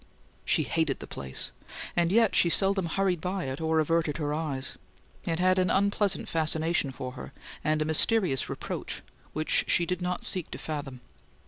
She hated the place, and yet she seldom hurried by it or averted her eyes. It had an unpleasant fascination for her, and a mysterious reproach, which she did not seek to fathom.